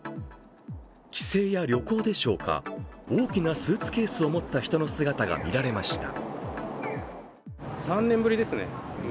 帰省や旅行でしょうか、大きなスーツケースを持った人の姿が見られました。